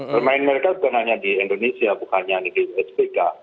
bermain mereka bukan hanya di indonesia bukannya di spk